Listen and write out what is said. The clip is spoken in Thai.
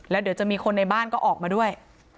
แล้วเดี๋ยวจะมีคนในบ้านก็ออกมาด้วย